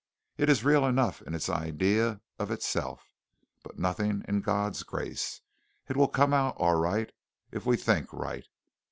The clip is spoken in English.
It is real enough in its idea of itself, but nothing in God's grace. It will come out all right, if we think right.